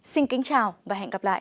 xin kính chào và hẹn gặp lại